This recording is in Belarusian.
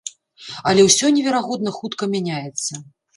Але ўсё неверагодна хутка мяняецца.